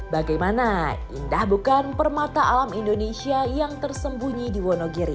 bagaimana indah bukan permata alam indonesia yang tersembunyi di wonogiri